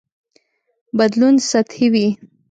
بدلون سطحي وي.